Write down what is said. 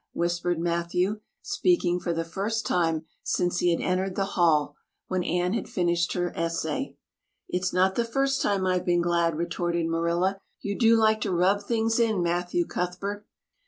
whispered Matthew, speaking for the first time since he had entered the hall, when Anne had finished her essay. "It's not the first time I've been glad," retorted Marilla. "You do like to rub things in, Matthew Cuthbert."